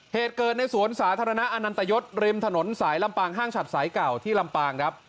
เหตุเกิดในสวนสาธารณะอนันตยศริมถนนสายลำปางห้างฉัดสายเก่าที่ลำปางครับ